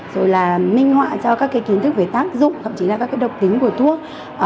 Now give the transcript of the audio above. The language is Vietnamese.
rồi là minh họa cho các cái kiến thức về tác dụng thậm chí là các cái độc tính của thuốc